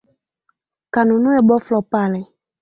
kanunue boflo pale